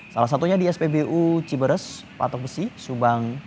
salah satunya di spbu ciberes patok besi subang